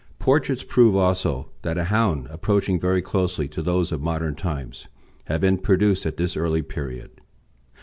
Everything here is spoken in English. Portraits prove also that a hound approaching very closely to those of modern times had been produced at this early period.